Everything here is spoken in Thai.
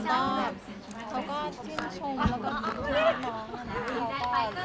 เขาก็ชื่นชงระวัง